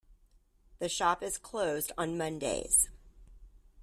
The shop is closed on Mondays.